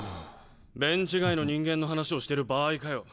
ベンチ外の人間の話をしてる場合かよ。